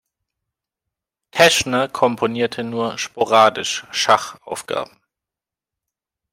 Teschner komponierte nur sporadisch Schachaufgaben.